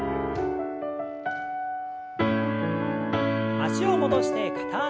脚を戻して片脚跳び。